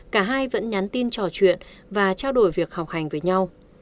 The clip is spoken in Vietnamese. cả hai vẫn nhắn tin trò chuyện và trao đổi việc học hành với nhau